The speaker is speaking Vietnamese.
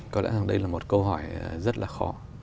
có lẽ đây là một câu hỏi rất là khó